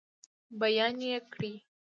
بیان یې کړئ.